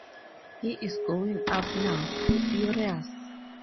He is going out now — furious!